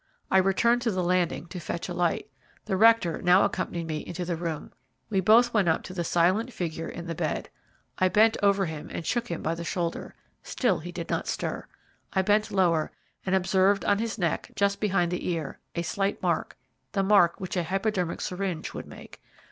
I returned to the landing to fetch a light. The rector now accompanied me into the room We both went up to the silent figure in the bed. I bent over him and shook him by the shoulder. Still he did not stir. I bent lower, and observed on his neck, just behind the ear, a slight mark, the mark which a hypodermic syringe would make.